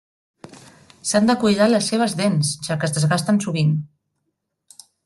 S'han de cuidar les seves dents, ja que es desgasten sovint.